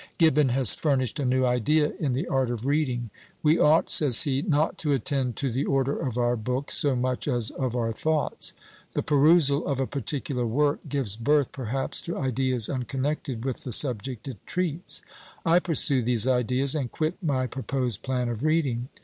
Gibbon has furnished a new idea in the art of reading! We ought, says he, not to attend to the order of our books, so much as of our thoughts. "The perusal of a particular work gives birth perhaps to ideas unconnected with the subject it treats; I pursue these ideas, and quit my proposed plan of reading."